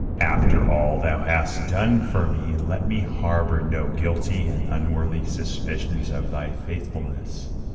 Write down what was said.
After all Thou hast done for me, let me harbor no guilty and unworthy suspicions of Thy faithfulness.